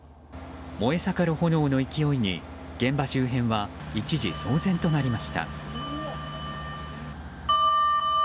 燃え盛る炎の勢いに現場周辺は一時騒然となりました。